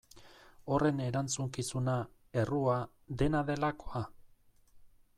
Horren erantzukizuna, errua, dena delakoa?